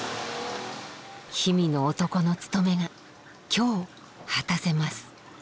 氷見の男の務めが今日果たせます。